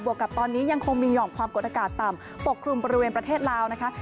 กับตอนนี้ยังคงมีห่อมความกดอากาศต่ำปกคลุมบริเวณประเทศลาวนะคะ